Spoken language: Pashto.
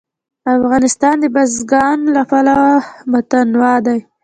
افغانستان د بزګان له پلوه متنوع دی.